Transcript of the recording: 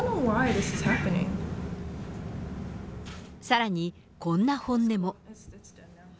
さらに、こんな本音も。